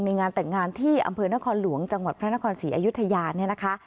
งานแต่งงานที่อำเภอนครหลวงจังหวัดพระนครศรีอยุธยาเนี่ยนะคะ